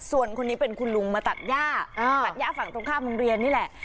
ส่วนคนนี้เป็นคุณลุงมาตัดย่าตัดย่าฝั่งตรงข้ามโรงเรียนนี่แหละ